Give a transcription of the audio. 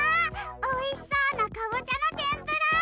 おいしそうなかぼちゃのてんぷら！